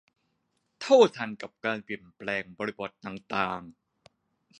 เท่าทันกับการเปลี่ยนแปลงบริบทต่างต่าง